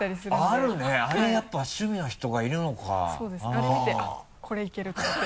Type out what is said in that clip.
あれ見て「あっこれいける」と思って。